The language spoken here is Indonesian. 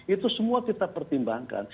itu semua kita pertimbangkan